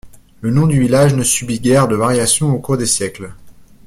Le nom du village ne subit guère de variations au cours des siècles.